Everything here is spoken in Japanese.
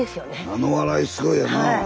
あの笑いすごいよな。